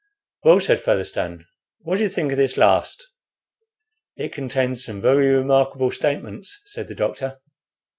"Well," said Featherstone, "what do you think of this last?" "It contains some very remarkable statements," said the doctor.